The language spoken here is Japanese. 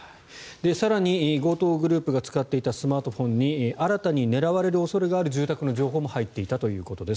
更に強盗グループが使っていたスマートフォンに新たに狙われる恐れがある住宅の情報も入っていたということです。